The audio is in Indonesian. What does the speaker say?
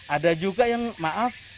ada juga yang maaf